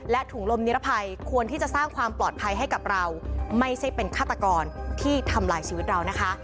ถุงลมนิรภัยควรที่จะสร้างความปลอดภัยให้กับเราไม่ใช่เป็นฆาตกรที่ทำลายชีวิตเรานะคะ